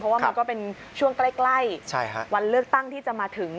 ว่ามันก็เป็นช่วงใกล้วันเลือกตั้งที่จะมาถึง